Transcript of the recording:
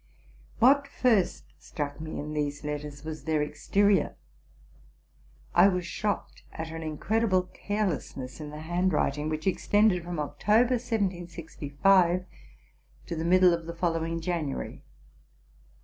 What first struck me in these letters was their exterior: I was shocked at an incredible carelessness in the handwriting, which extended from October, 1765, to the middle of the fol lowing January.